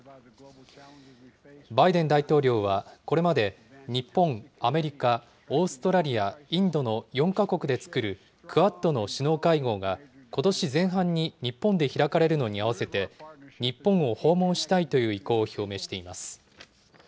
バイデン大統領はこれまで、日本、アメリカ、オーストラリア、インドの４か国で作るクアッドの首脳会合が、ことし前半に日本で開かれるのに合わせて、日本を訪問したいという意向を表明しています。